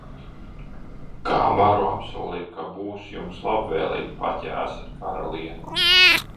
Kā varu apsolīt, ka būs jums labvēlīgi, pat ja esat karaliene?